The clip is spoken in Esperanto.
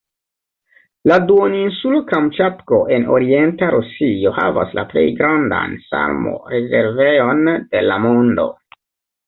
La duoninsulo Kamĉatko en orienta Rusio havas la plej grandan salmo-rezervejon de la mondo.